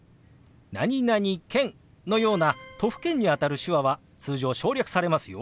「何々県」のような都府県にあたる手話は通常省略されますよ。